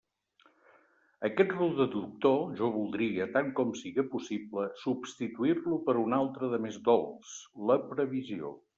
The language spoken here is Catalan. Aquest rude doctor, jo voldria, tant com siga possible, substituir-lo per un altre de més dolç: la previsió.